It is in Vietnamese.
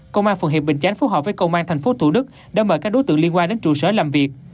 công an phường hiệp bình chánh phúc hợp với công an thành phố thủ đức đã mời các đối tượng liên quan đến trụ sở làm việc